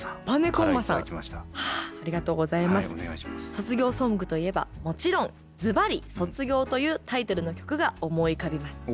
「卒業ソングといえばもちろんずばり『卒業』というタイトルの曲が思い浮かびます。